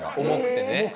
重くてね。